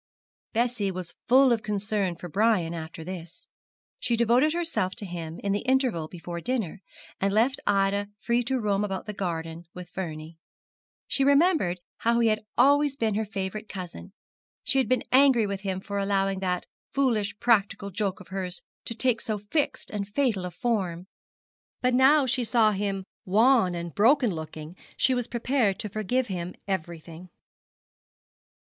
Bessie was full of concern for Brian after this. She devoted herself to him in the interval before dinner, and left Ida free to roam about the garden with Vernie. She remembered how he had always been her favourite cousin. She had been angry with him for allowing that foolish practical joke of hers to take so fixed and fatal a form; but now she saw him wan and broken looking she was prepared to forgive him everything.